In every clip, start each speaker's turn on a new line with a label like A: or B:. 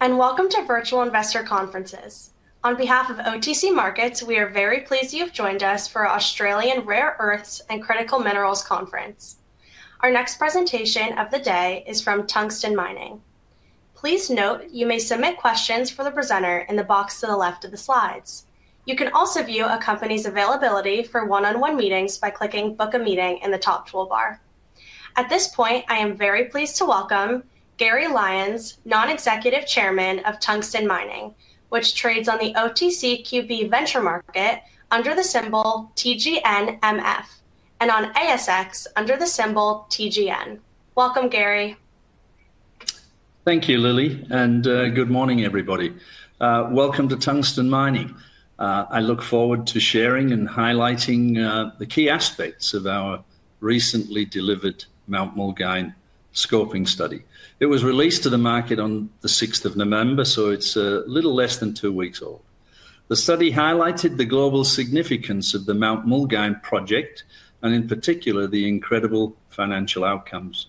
A: Welcome to Virtual Investor Conferences. On behalf of OTC Markets, we are very pleased you have joined us for Australian Rare Earths and Critical Minerals Conference. Our next presentation of the day is from Tungsten Mining. Please note you may submit questions for the presenter in the box to the left of the slides. You can also view a company's availability for one-on-one meetings by clicking "Book a Meeting" in the top toolbar. At this point, I am very pleased to welcome Gary Lyons, Non-Executive Chairman of Tungsten Mining, which trades on the OTCQB venture market under the symbol TGNMF and on ASX under the symbol TGN. Welcome, Gary.
B: Thank you, Lily, and good morning, everybody. Welcome to Tungsten Mining. I look forward to sharing and highlighting the key aspects of our recently delivered Mount Mulgine Scoping study. It was released to the market on the 6th of November, so it's a little less than two weeks old. The study highlighted the global significance of the Mount Mulgine project and, in particular, the incredible financial outcomes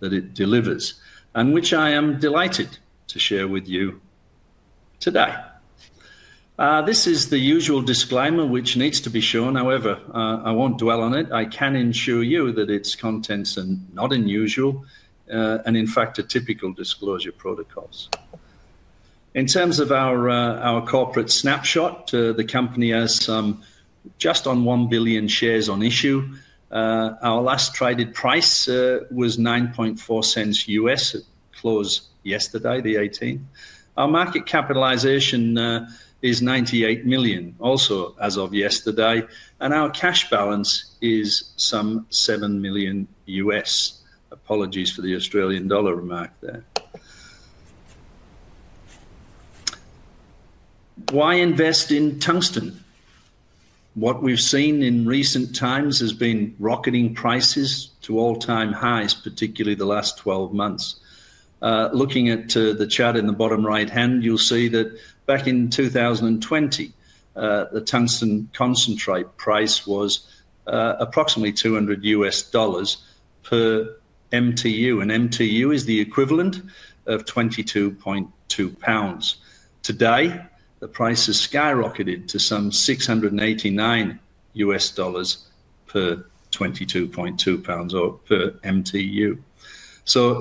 B: that it delivers, and which I am delighted to share with you today. This is the usual disclaimer which needs to be shown. However, I won't dwell on it. I can ensure you that its contents are not unusual and, in fact, are typical disclosure protocols. In terms of our corporate snapshot, the company has just under one billion shares on issue. Our last traded price was $0.094, a close yesterday, the 18th. Our market capitalization is $98 million, also as of yesterday, and our cash balance is some $7 million U.S. Apologies for the Australian dollar remark there. Why invest in Tungsten? What we've seen in recent times has been rocketing prices to all-time highs, particularly the last 12 months. Looking at the chart in the bottom right hand, you'll see that back in 2020, the tungsten concentrate price was approximately $200 per MTU, and MTU is the equivalent of 22.2 pounds. Today, the price has skyrocketed to some $689 per 22.2 pounds or per MTU.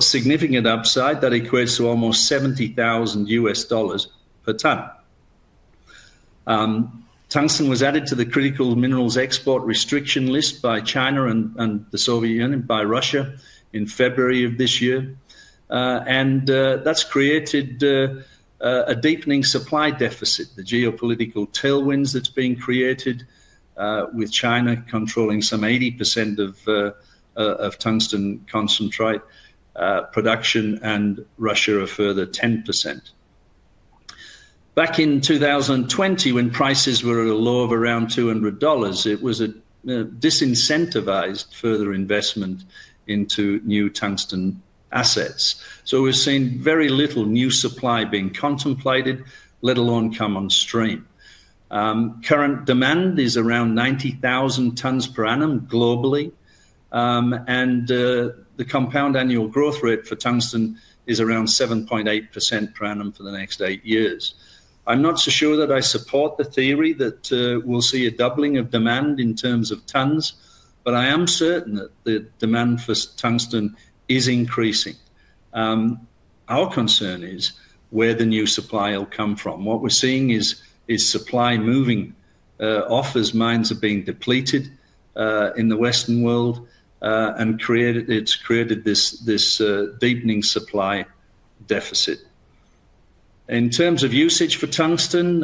B: Significant upside that equates to almost $70,000 per ton. Tungsten was added to the critical minerals export restriction list by China and by Russia in February of this year, and that's created a deepening supply deficit, the geopolitical tailwinds that's being created with China controlling some 80% of tungsten concentrate production and Russia a further 10%. Back in 2020, when prices were at a low of around $200, it was a disincentivized further investment into new tungsten assets. We have seen very little new supply being contemplated, let alone come on stream. Current demand is around 90,000 tons per annum globally, and the compound annual growth rate for tungsten is around 7.8% per annum for the next eight years. I'm not so sure that I support the theory that we'll see a doubling of demand in terms of tons, but I am certain that the demand for tungsten is increasing. Our concern is where the new supply will come from. What we're seeing is supply moving off as mines are being depleted in the Western world, and it's created this deepening supply deficit. In terms of usage for tungsten,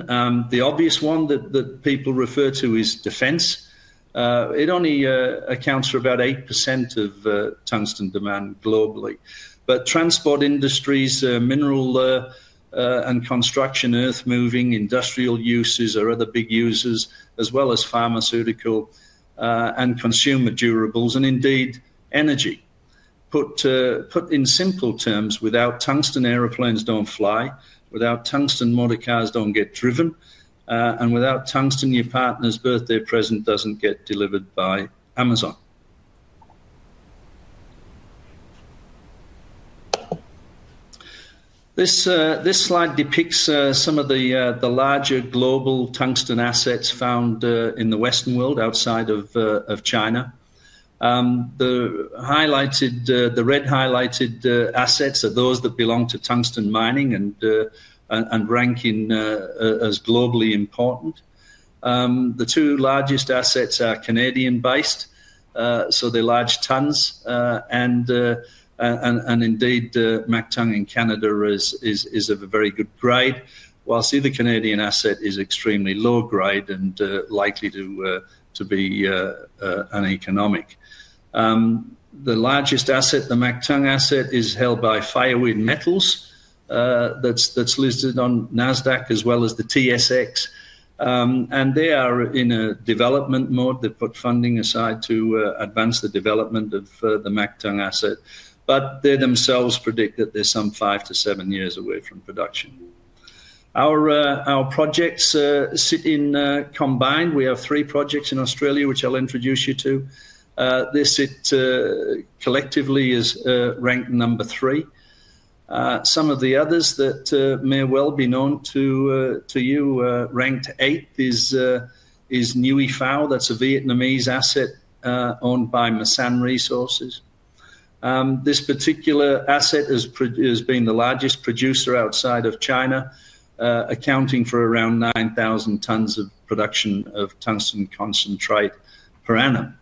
B: the obvious one that people refer to is defense. It only accounts for about 8% of tungsten demand globally, but transport industries, mineral and construction, earth moving, industrial uses are other big users, as well as pharmaceutical and consumer durables, and indeed energy. Put in simple terms, without tungsten, aeroplanes don't fly, without tungsten, motorcars don't get driven, and without tungsten, your partner's birthday present doesn't get delivered by Amazon. This slide depicts some of the larger global tungsten assets found in the Western world outside of China. The red highlighted assets are those that belong to Tungsten Mining and rank as globally important. The two largest assets are Canadian-based, so they're large tons, and indeed MacTung in Canada is of a very good grade, whilst the other Canadian asset is extremely low grade and likely to be uneconomic. The largest asset, the MacTung asset, is held by Fireweed Metals. That's listed on NASDAQ as well as the TSX, and they are in a development mode. They put funding aside to advance the development of the MacTung asset, but they themselves predict that they're some five to seven years away from production. Our projects sit in combined. We have three projects in Australia, which I'll introduce you to. This collectively is ranked number three. Some of the others that may well be known to you, ranked eighth, is Nui Phao. That's a Vietnamese asset owned by Masan Resources. This particular asset has been the largest producer outside of China, accounting for around 9,000 tons of production of tungsten concentrate per annum.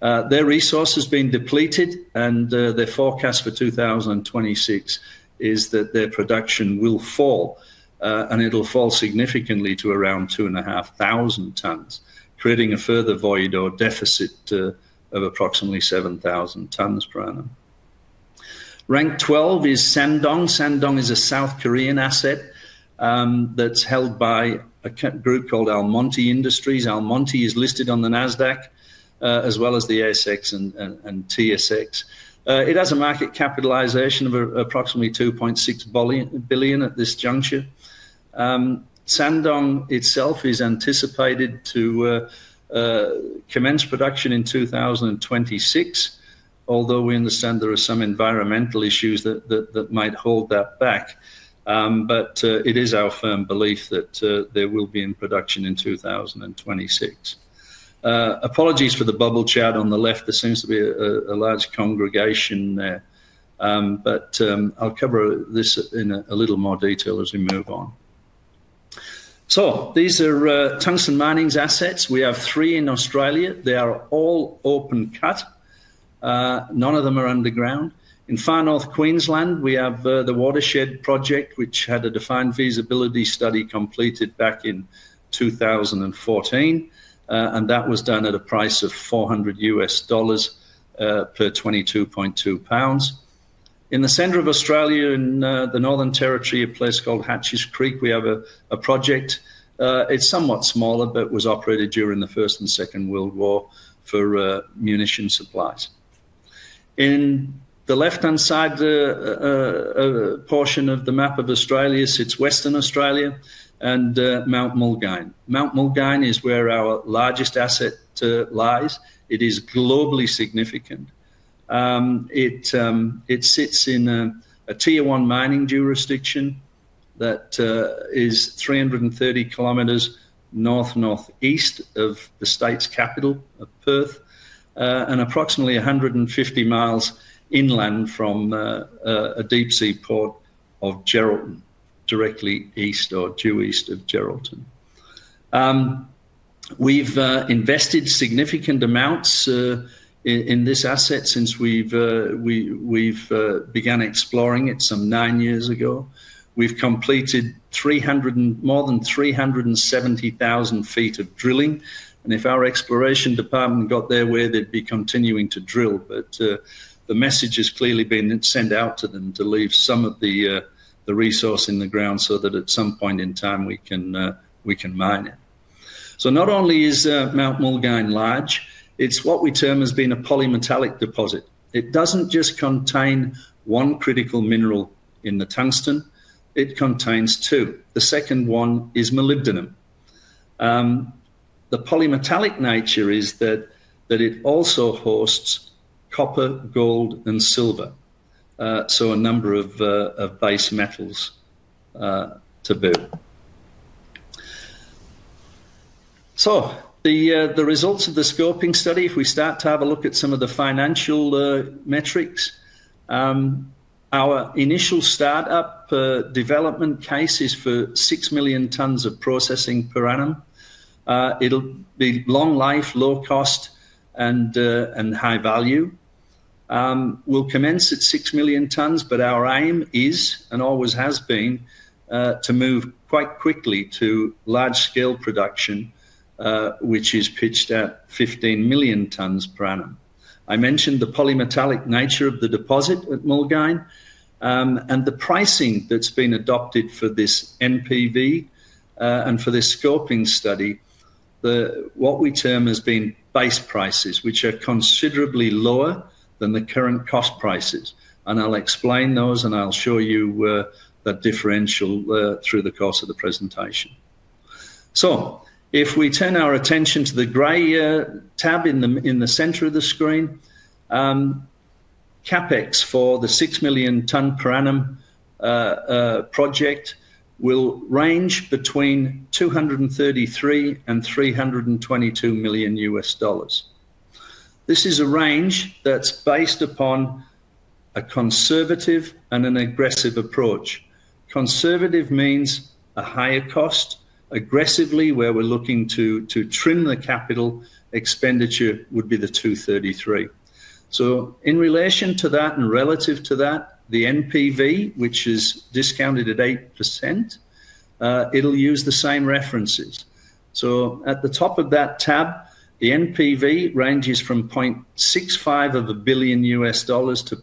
B: Their resource has been depleted, and their forecast for 2026 is that their production will fall, and it'll fall significantly to around two and a half thousand tons, creating a further void or deficit of approximately 7,000 tons per annum. Ranked 12 is Sangdong. Sangdong is a South Korean asset that's held by a group called Almonty Industries. Almonty is listed on the NASDAQ, as well as the ASX and TSX. It has a market capitalization of approximately 2.6 billion at this juncture. Sangdong itself is anticipated to commence production in 2026, although we understand there are some environmental issues that might hold that back, but it is our firm belief that there will be production in 2026. Apologies for the bubble chart on the left. There seems to be a large congregation there, but I'll cover this in a little more detail as we move on. These are Tungsten Mining assets. We have three in Australia. They are all open cut. None of them are underground. In Far North Queensland, we have the Watershed project, which had a defined feasibility study completed back in 2014, and that was done at a price of $400 per 22.2 pounds. In the center of Australia, in the Northern Territory, a place called Hatches Creek, we have a project. It's somewhat smaller, but was operated during the First and Second World War for munition supplies. In the left-hand side portion of the map of Australia sits Western Australia and Mount Mulgine. Mount Mulgine is where our largest asset lies. It is globally significant. It sits in a tier one mining jurisdiction that is 330 km north-northeast of the state's capital, Perth, and approximately 150 mi inland from a deep-sea port of Geraldton, directly east or due east of Geraldton. We've invested significant amounts in this asset since we've begun exploring it some nine years ago. We've completed more than 370,000 ft of drilling, and if our exploration department got there, they'd be continuing to drill, but the message has clearly been sent out to them to leave some of the resource in the ground so that at some point in time we can mine it. Not only is Mount Mulgine large, it's what we term as being a polymetallic deposit. It doesn't just contain one critical mineral in the tungsten, it contains two. The second one is molybdenum. The polymetallic nature is that it also hosts copper, gold, and silver, so a number of base metals to boot. The results of the scoping study, if we start to have a look at some of the financial metrics, our initial startup development case is for 6 million tons of processing per annum. It'll be long life, low cost, and high value. We'll commence at 6 million tons, but our aim is and always has been to move quite quickly to large-scale production, which is pitched at 15 million tons per annum. I mentioned the polymetallic nature of the deposit at Mount Mulgine and the pricing that's been adopted for this NPV and for this scoping study, what we term as being base prices, which are considerably lower than the current cost prices, and I'll explain those, and I'll show you that differential through the course of the presentation. If we turn our attention to the gray tab in the center of the screen, CapEx for the 6 million ton per annum project will range between $233 million and $322 million. This is a range that's based upon a conservative and an aggressive approach. Conservative means a higher cost. Aggressively, where we're looking to trim the capital expenditure, would be the $233 million. In relation to that and relative to that, the NPV, which is discounted at 8%, will use the same references. At the top of that tab, the NPV ranges from $650 million to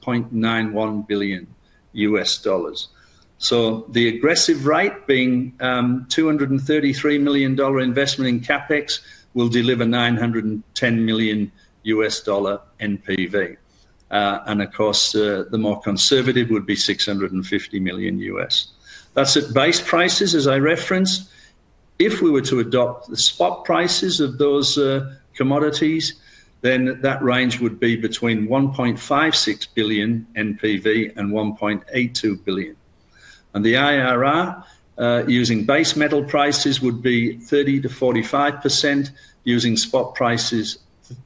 B: $910 million. The aggressive rate being $233 million investment in CapEx will deliver $910 million NPV, and of course, the more conservative would be $650 million. That's at base prices, as I referenced. If we were to adopt the spot prices of those commodities, then that range would be between $1.56 billion NPV and $1.82 billion. The IRR using base metal prices would be 30%-45%, using spot prices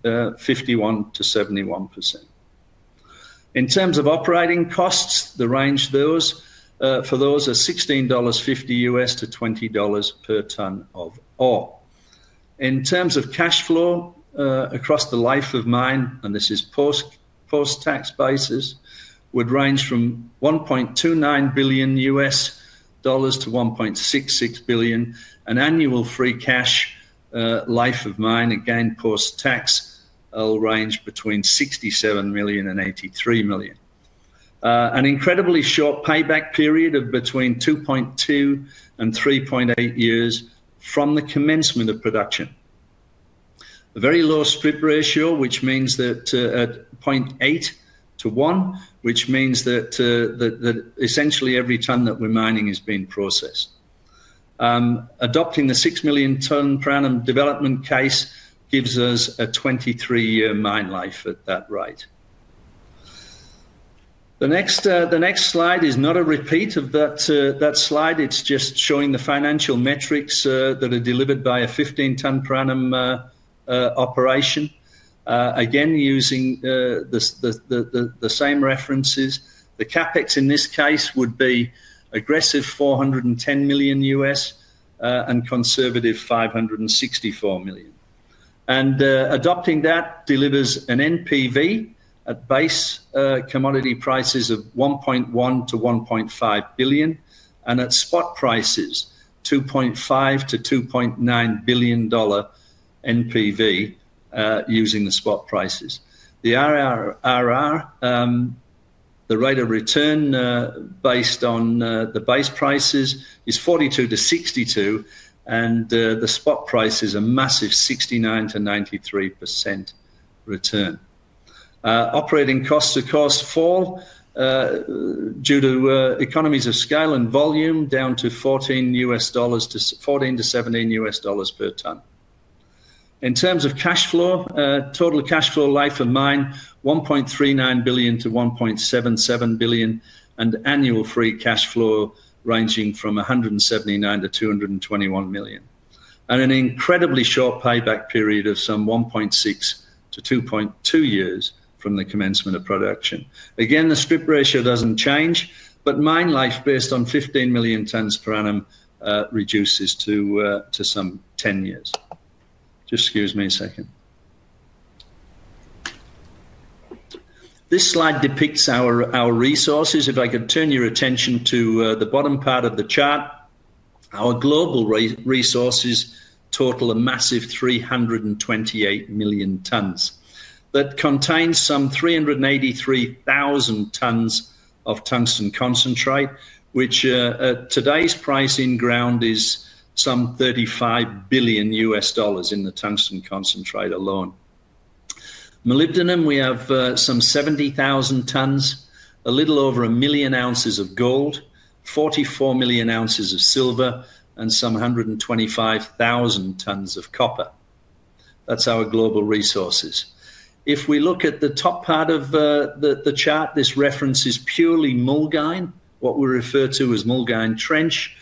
B: 51%-71%. In terms of operating costs, the range for those is $16.50-$20 per ton of ore. In terms of cash flow across the life of mine, and this is post-tax basis, would range from $1.29 billion-$1.66 billion. An annual free cash life of mine, again post-tax, will range between $67 million and $83 million. An incredibly short payback period of between 2.2 and 3.8 years from the commencement of production. A very low strip ratio, which means that 0.8 to 1, which means that essentially every ton that we're mining is being processed. Adopting the 6 million ton per annum development case gives us a 23-year mine life at that rate. The next slide is not a repeat of that slide. It's just showing the financial metrics that are delivered by a 15 million ton per annum operation, again using the same references. The CapEx in this case would be aggressive $410 million and conservative $564 million. Adopting that delivers an NPV at base commodity prices of $1.1 billion-$1.5 billion, and at spot prices, $2.5 billion-$2.9 billion NPV using the spot prices. The IRR, the rate of return based on the base prices, is 42%-62%, and the spot price is a massive 69%-93% return. Operating costs, of course, fall due to economies of scale and volume down to $14-$17 per ton. In terms of cash flow, total cash flow life of mine is $1.39 billion-$1.77 billion, and annual free cash flow ranging from $179 million-$221 million. An incredibly short payback period of some 1.6-2.2 years from the commencement of production. Again, the strip ratio doesn't change, but mine life based on 15 million tons per annum reduces to some 10 years. Just excuse me a second. This slide depicts our resources. If I could turn your attention to the bottom part of the chart, our global resources total a massive 328 million tons. That contains some 383,000 tons of tungsten concentrate, which at today's price in ground is some $35 billion in the tungsten concentrate alone. Molybdenum, we have some 70,000 tons, a little over a million ounces of gold, 44 million ounces of silver, and some 125,000 tons of copper. That's our global resources. If we look at the top part of the chart, this reference is purely Mulgine, what we refer to as Mulgine Trench,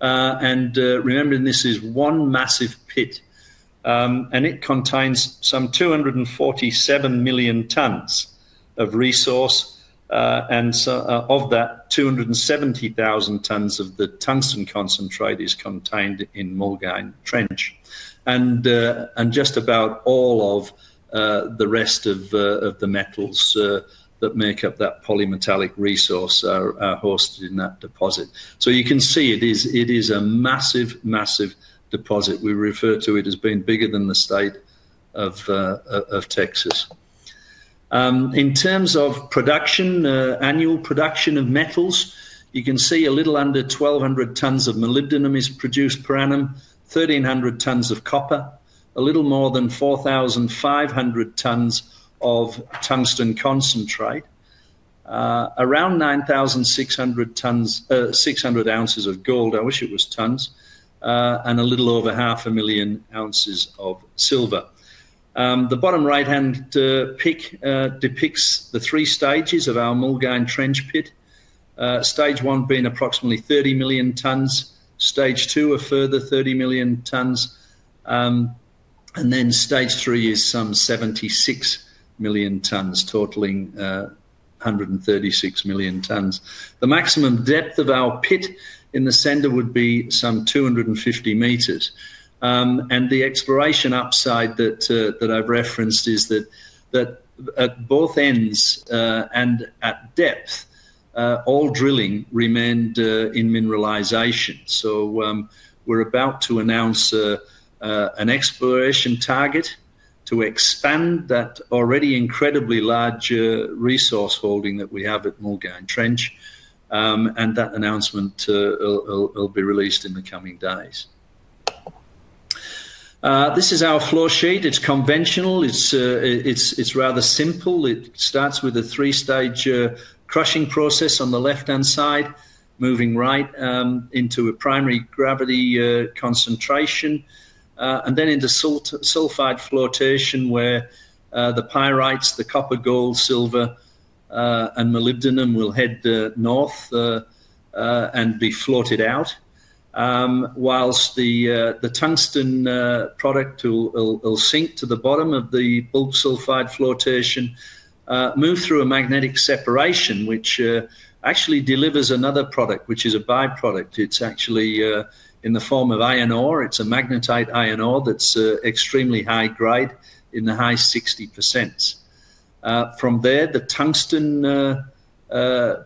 B: and remember this is one massive pit, and it contains some 247 million tons of resource, and of that, 270,000 tons of the tungsten concentrate is contained in Mulgine Trench, and just about all of the rest of the metals that make up that polymetallic resource are hosted in that deposit. You can see it is a massive, massive deposit. We refer to it as being bigger than the state of Texas. In terms of production, annual production of metals, you can see a little under 1,200 tons of molybdenum is produced per annum, 1,300 tons of copper, a little more than 4,500 tons of tungsten concentrate, around 9,600 ounces of gold, I wish it was tons, and a little over 500,000 ounces of silver. The bottom right-hand pick depicts the three stages of our Mulgine Trench pit. Stage one being approximately 30 million tons, stage two a further 30 million tons, and then stage three is some 76 million tons, totaling 136 million tons. The maximum depth of our pit in the center would be some 250 meters, and the exploration upside that I've referenced is that at both ends and at depth, all drilling remained in mineralization. We're about to announce an exploration target to expand that already incredibly large resource holding that we have at Mount Mulgine, and that announcement will be released in the coming days. This is our flowsheet. It's conventional. It's rather simple. It starts with a three-stage crushing process on the left-hand side, moving right into a primary gravity concentration, and then into sulfide flotation where the pyrites, the copper, gold, silver, and molybdenum will head north and be floated out, whilst the tungsten product will sink to the bottom of the bulk sulfide flotation, move through a magnetic separation, which actually delivers another product, which is a byproduct. It's actually in the form of iron ore. It's a magnetite iron ore that's extremely high grade in the high 60%. From there, the tungsten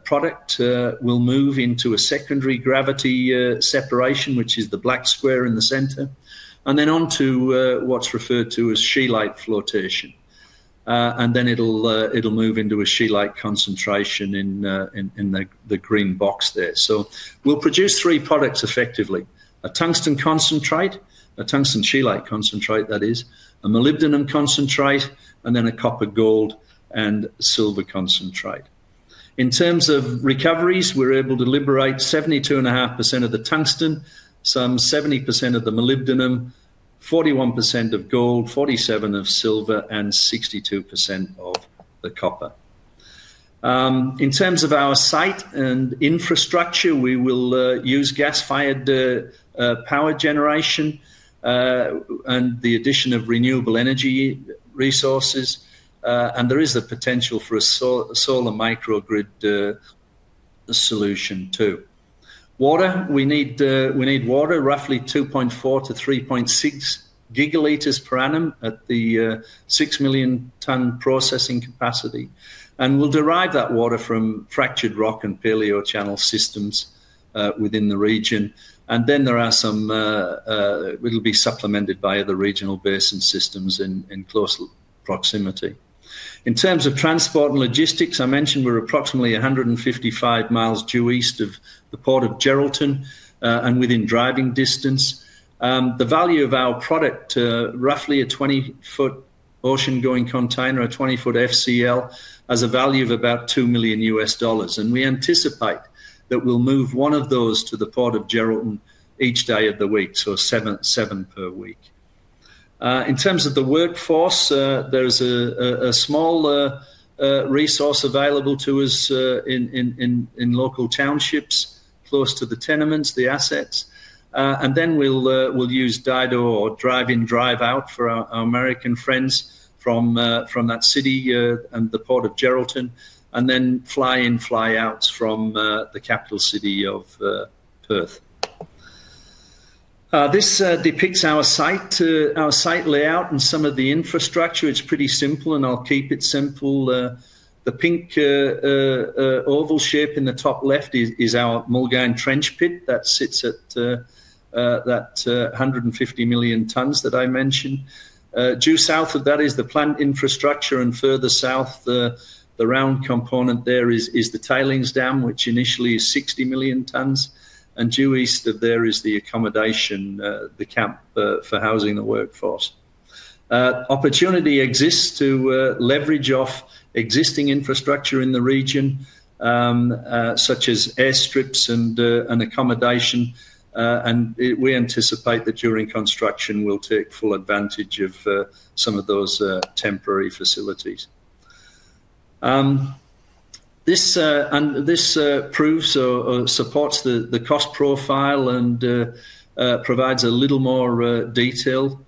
B: product will move into a secondary gravity separation, which is the black square in the center, and then onto what's referred to as scheelite flotation, and then it'll move into a scheelite concentration in the green box there. We'll produce three products effectively. A tungsten concentrate, a tungsten scheelite concentrate, that is, a molybdenum concentrate, and then a copper, gold, and silver concentrate. In terms of recoveries, we're able to liberate 72.5% of the tungsten, some 70% of the molybdenum, 41% of gold, 47% of silver, and 62% of the copper. In terms of our site and infrastructure, we will use gas-fired power generation and the addition of renewable energy resources, and there is a potential for a solar microgrid solution too. Water, we need water, roughly 2.4-3.6 gigaliters per annum at the 6 million ton processing capacity, and we'll derive that water from fractured rock and paleochannel systems within the region, and then there are some it'll be supplemented by other regional basin systems in close proximity. In terms of transport and logistics, I mentioned we're approximately 155 mi due east of the Port of Geraldton and within driving distance. The value of our product, roughly a 20-ft ocean-going container, a 20-ft FCL, has a value of about $2 million, and we anticipate that we'll move one of those to the Port of Geraldton each day of the week, so seven per week. In terms of the workforce, there's a small resource available to us in local townships close to the tenements, the assets, and then we'll use Dido or drive-in, drive-out for our American friends from that city and the Port of Geraldton, and then fly-in, fly-outs from the capital city of Perth. This depicts our site layout and some of the infrastructure. It's pretty simple, and I'll keep it simple. The pink oval shape in the top left is our Mulgine Trench pit that sits at that 150 million tons that I mentioned. Due south of that is the plant infrastructure, and further south, the round component there is the tailings dam, which initially is 60 million tons, and due east of there is the accommodation, the camp for housing the workforce. Opportunity exists to leverage off existing infrastructure in the region, such as airstrips and accommodation, and we anticipate that during construction we'll take full advantage of some of those temporary facilities. This proves or supports the cost profile and provides a little more detail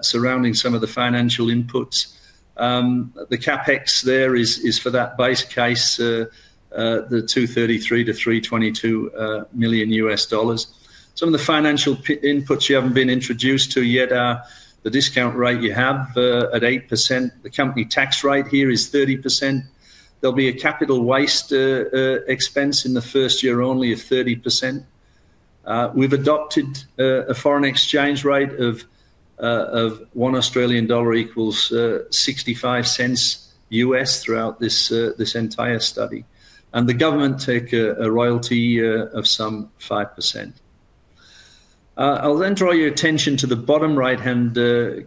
B: surrounding some of the financial inputs. The CapEx there is for that base case, the $233 million-$322 million. Some of the financial inputs you haven't been introduced to yet are the discount rate you have at 8%. The company tax rate here is 30%. There'll be a capital waste expense in the first year only of 30%. We've adopted a foreign exchange rate of 1 Australian dollar equals $0.65 throughout this entire study, and the government take a royalty of some 5%. I'll then draw your attention to the bottom right-hand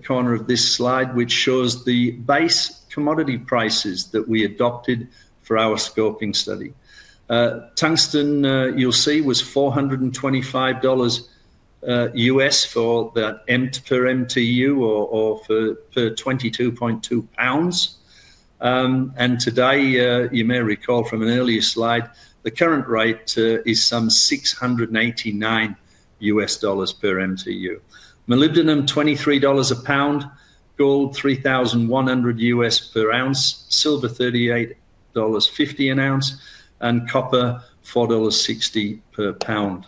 B: corner of this slide, which shows the base commodity prices that we adopted for our scoping study. Tungsten, you'll see, was $425 for that per MTU or for 22.2 pounds, and today, you may recall from an earlier slide, the current rate is some $689 per MTU. Molybdenum, $23 a pound, gold, $3,100 per ounce, silver, $38.50 an ounce, and copper, $4.60 per pound.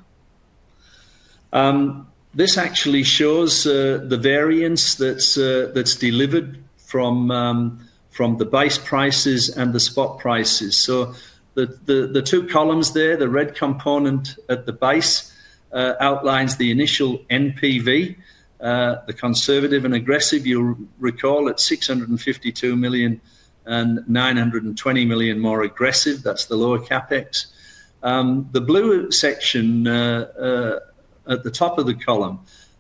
B: This actually shows the variance that's delivered from the base prices and the spot prices. The two columns there, the red component at the base outlines the initial NPV, the conservative and aggressive, you'll recall, at $652 million and $920 million more aggressive. That's the lower CapEx. The blue section at the top of the column,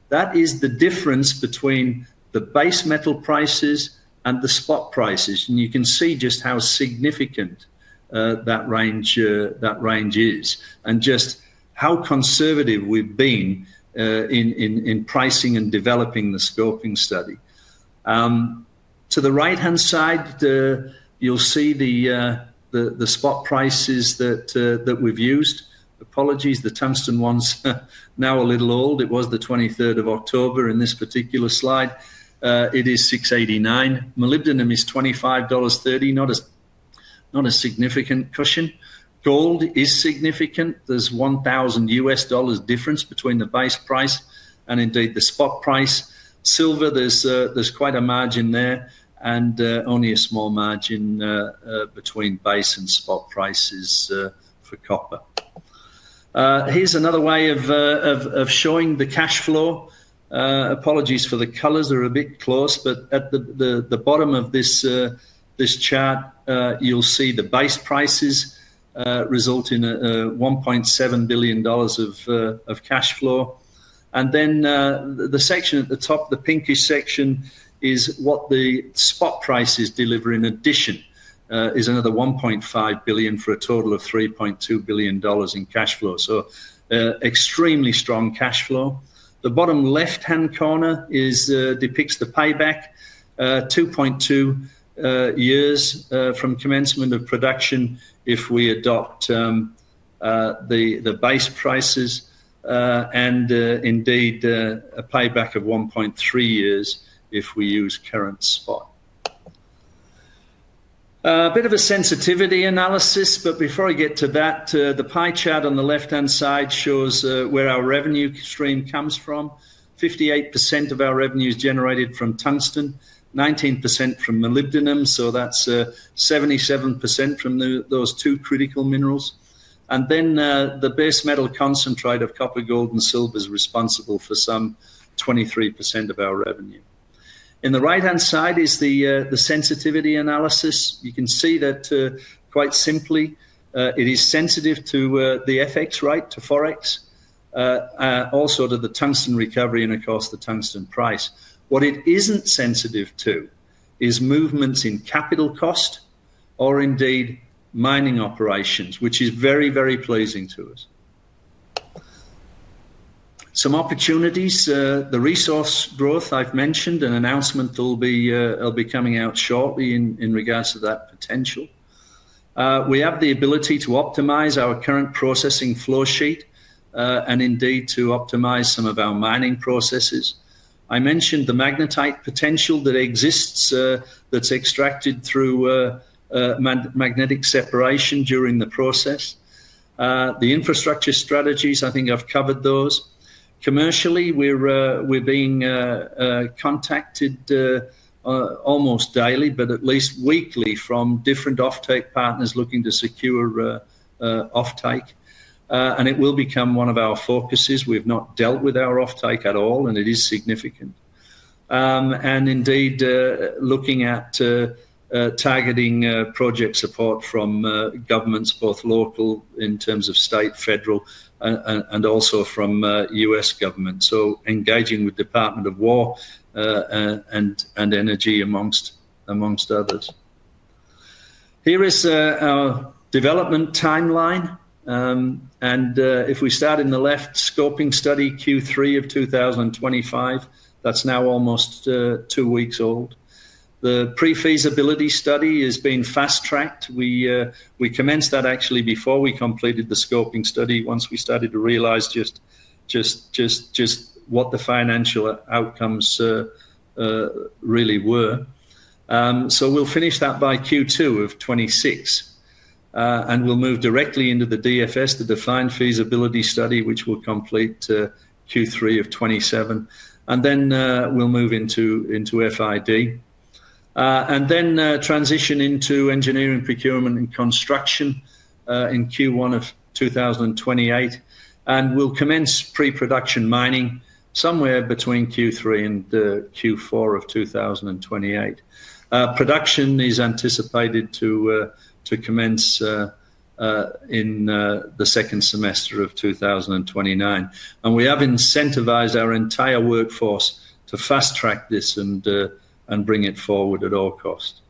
B: that is the difference between the base metal prices and the spot prices, and you can see just how significant that range is and just how conservative we've been in pricing and developing the scoping study. To the right-hand side, you'll see the spot prices that we've used. Apologies, the tungsten ones now are a little old. It was the 23rd of October in this particular slide. It is 689. Molybdenum is $25.30, not a significant cushion. Gold is significant. There's $1,000 difference between the base price and indeed the spot price. Silver, there's quite a margin there and only a small margin between base and spot prices for copper. Here's another way of showing the cash flow. Apologies for the colors, they're a bit close, but at the bottom of this chart, you'll see the base prices result in $1.7 billion of cash flow, and then the section at the top, the pinkish section, is what the spot prices deliver in addition is another $1.5 billion for a total of $3.2 billion in cash flow. Extremely strong cash flow. The bottom left-hand corner depicts the payback, 2.2 years from commencement of production if we adopt the base prices and indeed a payback of 1.3 years if we use current spot. A bit of a sensitivity analysis, but before I get to that, the pie chart on the left-hand side shows where our revenue stream comes from. 58% of our revenue is generated from tungsten, 19% from molybdenum, so that's 77% from those two critical minerals, and then the base metal concentrate of copper, gold, and silver is responsible for some 23% of our revenue. On the right-hand side is the sensitivity analysis. You can see that quite simply it is sensitive to the FX rate, to Forex, also to the tungsten recovery and, of course, the tungsten price. What it isn't sensitive to is movements in capital cost or indeed mining operations, which is very, very pleasing to us. Some opportunities, the resource growth I've mentioned, an announcement that'll be coming out shortly in regards to that potential. We have the ability to optimize our current processing flowsheet and indeed to optimize some of our mining processes. I mentioned the magnetite potential that exists that's extracted through magnetic separation during the process. The infrastructure strategies, I think I've covered those. Commercially, we're being contacted almost daily, but at least weekly, from different offtake partners looking to secure offtake, and it will become one of our focuses. We've not dealt with our offtake at all, and it is significant, and indeed looking at targeting project support from governments, both local in terms of state, federal, and also from U.S. government, so engaging with Department of War and Energy, amongst others. Here is our development timeline, and if we start in the left, scoping study Q3 of 2025, that's now almost two weeks old. The pre-feasibility study has been fast-tracked. We commenced that actually before we completed the scoping study, once we started to realize just what the financial outcomes really were. We'll finish that by Q2 of 2026, and we'll move directly into the DFS, the definitive feasibility study, which will complete Q3 of 2027, and then we'll move into FID, and then transition into engineering procurement and construction in Q1 of 2028, and we'll commence pre-production mining somewhere between Q3 and Q4 of 2028. Production is anticipated to commence in the second semester of 2029, and we have incentivized our entire workforce to fast-track this and bring it forward at all cost.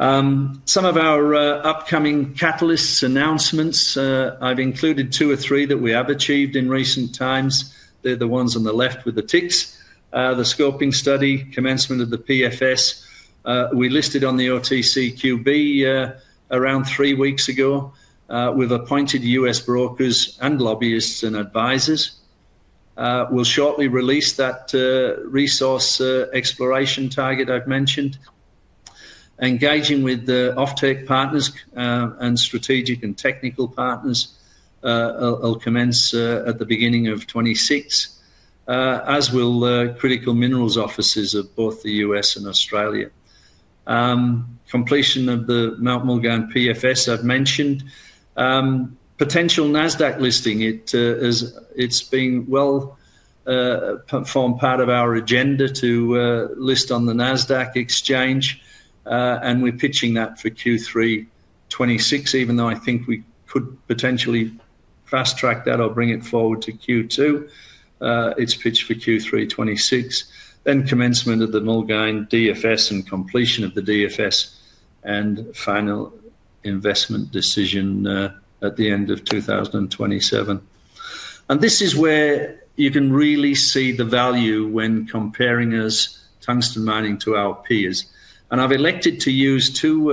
B: Some of our upcoming catalysts announcements, I've included two or three that we have achieved in recent times. They're the ones on the left with the ticks, the scoping study, commencement of the PFS. We listed on the OTCQB around three weeks ago. We've appointed U.S. brokers and lobbyists and advisors. We'll shortly release that resource exploration target I've mentioned. Engaging with offtake partners and strategic and technical partners will commence at the beginning of 2026, as will critical minerals offices of both the U.S. and Australia. Completion of the Mount Mulgine PFS I've mentioned. Potential Nasdaq listing, it's been well performed part of our agenda to list on the Nasdaq exchange, and we're pitching that for Q3 2026, even though I think we could potentially fast-track that or bring it forward to Q2. It's pitched for Q3 2026, then commencement of the Mulgine DFS and completion of the DFS and final investment decision at the end of 2027. This is where you can really see the value when comparing Tungsten Mining to our peers, and I've elected to use two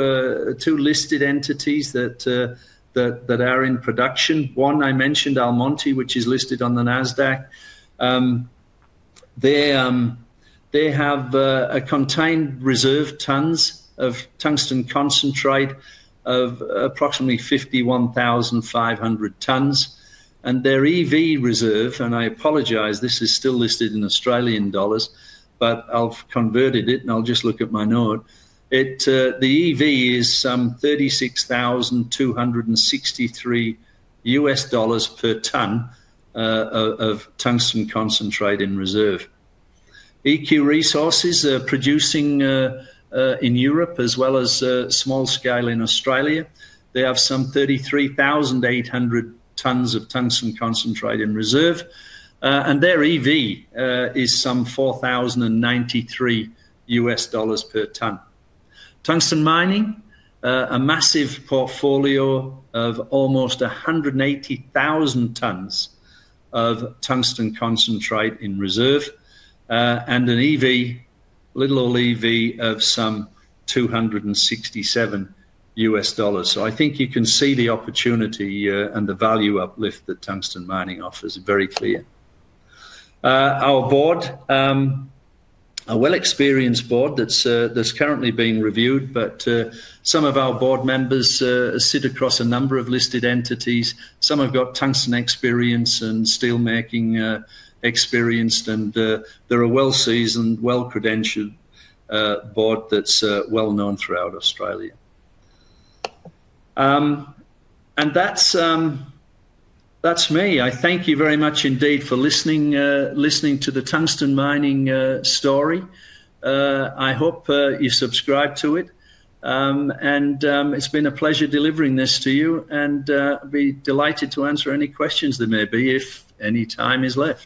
B: listed entities that are in production. One, I mentioned Almonty, which is listed on the Nasdaq. They have a contained reserve tons of tungsten concentrate of approximately 51,500 tons, and their EV reserve, and I apologize, this is still listed in Australian dollars, but I've converted it, and I'll just look at my note. The EV is some $36,263 per ton of tungsten concentrate in reserve. EQ Resources are producing in Europe as well as small scale in Australia. They have some 33,800 tons of tungsten concentrate in reserve, and their EV is some $4,093 per ton. Tungsten Mining, a massive portfolio of almost 180,000 tons of tungsten concentrate in reserve, and an EV, little old EV, of some $267. I think you can see the opportunity and the value uplift that Tungsten Mining offers very clear. Our board, a well-experienced board that's currently being reviewed, but some of our board members sit across a number of listed entities. Some have got tungsten experience and steelmaking experience, and they're a well-seasoned, well-credentialed board that's well-known throughout Australia. And that's me. I thank you very much indeed for listening to the Tungsten Mining story. I hope you subscribe to it, and it's been a pleasure delivering this to you, and I'll be delighted to answer any questions there may be if any time is left.